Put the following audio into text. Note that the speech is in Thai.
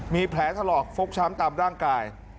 มีแผลถลอกเฟลกช้ำเตมด้างกาย